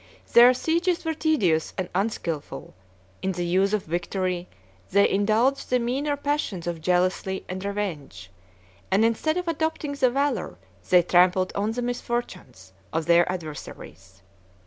Their sieges were tedious and unskilful: in the use of victory, they indulged the meaner passions of jealousy and revenge; and instead of adopting the valor, they trampled on the misfortunes, of their adversaries.